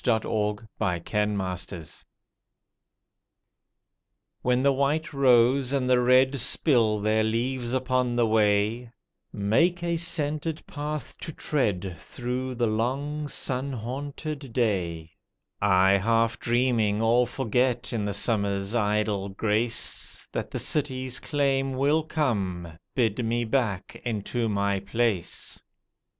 THE SAD TEARS OCTOBER, 1915 WHEN the white rose and the red spill their leaves upon the way, Make a scented path to tread through the long, sun haunted day; I half dreaming all forget in the summer's idle grace, That the city's claim will come, bid me back into my place.